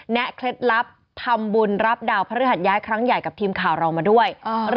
เคล็ดลับทำบุญรับดาวพระฤหัสย้ายครั้งใหญ่กับทีมข่าวเรามาด้วย